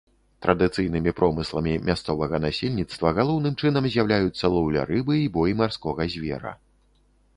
Традыцыйнымі промысламі мясцовага насельніцтва галоўным чынам з'яўляюцца лоўля рыбы і бой марскога звера.